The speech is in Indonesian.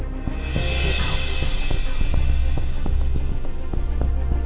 aku mau main ke rumah intan